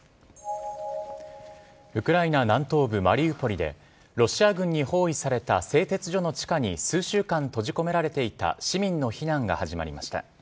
ウクライナ南東部マリウポリで、ロシア軍に包囲された製鉄所の地下に数週間閉じ込められていた市民の避難が始まりました。